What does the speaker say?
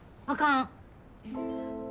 あかん！